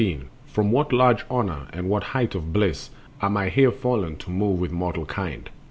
From what large honor and what height of bliss Am I here fallen to move with mortal kind!